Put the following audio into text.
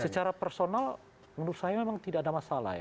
secara personal menurut saya memang tidak ada masalah ya